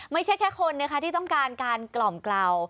ไม่ใช่แค่คนในที่ต้องการกล่อมกล่ะ